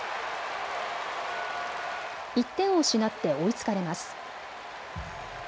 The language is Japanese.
１点を失って追いつかれます。